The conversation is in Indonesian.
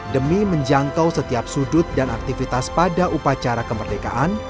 demi menjangkau setiap sudut dan aktivitas pada upacara kemerdekaan